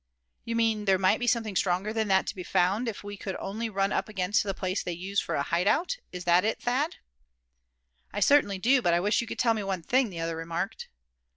"You mean there might be something stronger than that to be found, if only we could run up against the place they use for a hideout; is that it, Thad?" "I certainly do; but I wish you could tell me one thing," the other remarked.